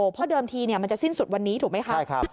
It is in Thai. เพราะเดิมทีมันจะสิ้นสุดวันนี้ถูกไหมคะ